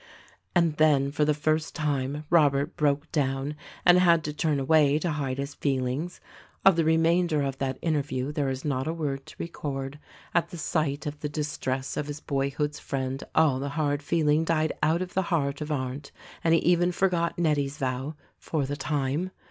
And then for the first time Robert broke down, and had to turn away to hide his feelings. Of the remainder of that interview there is not a word to record. At the sight of the distress of his boyhood's friend all the hard feeling died out of the heart of Arndt and he even forgot Nettie's vow — for the time.